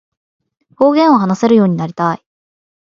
方言を話せるようになりたい